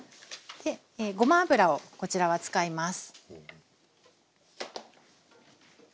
ごま油をこちらは使います。